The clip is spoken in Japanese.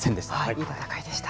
いい戦いでした。